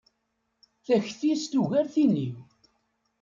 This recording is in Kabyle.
Takti-s tugar tin-im.